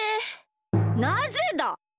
なぜだ！